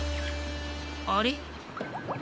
あれ？